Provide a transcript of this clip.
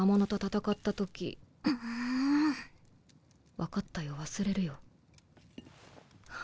分かったよ忘れるよ。